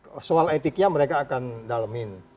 ya soal etiknya mereka akan dalemin